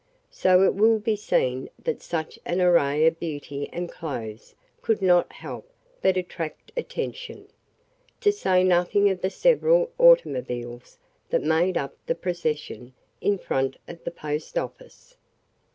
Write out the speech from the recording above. So it will be seen that such an array of beauty and clothes could not help but attract attention, to say nothing of the several automobiles that made up the procession in front of the post office.